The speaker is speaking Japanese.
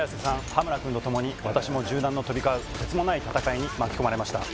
羽村くんと共に私も銃弾の飛び交うとてつもない戦いに巻き込まれました